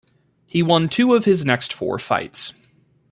He won two of his next four fights.